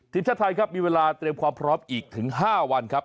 ทีมชาติไทยครับมีเวลาเตรียมความพร้อมอีกถึง๕วันครับ